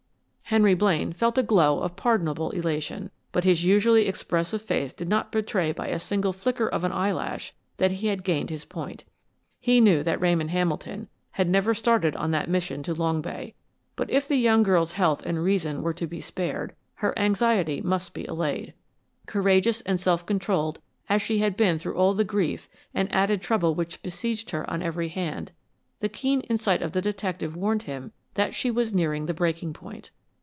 Henry Blaine felt a glow of pardonable elation, but his usually expressive face did not betray by a single flicker of an eyelash that he had gained his point. He knew that Ramon Hamilton had never started on that mission to Long Bay, but if the young girl's health and reason were to be spared, her anxiety must be allayed. Courageous and self controlled as she had been through all the grief and added trouble which besieged her on every hand, the keen insight of the detective warned him that she was nearing the breaking point.